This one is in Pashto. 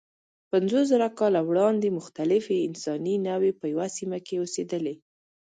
پنځوسزره کاله وړاندې مختلفې انساني نوعې په یوه سیمه کې اوسېدلې.